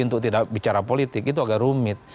untuk tidak bicara politik itu agak rumit